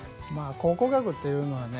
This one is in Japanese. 考古学というのはね